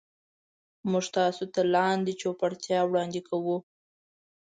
موږ تاسو ته لاندې چوپړتیاوې وړاندې کوو.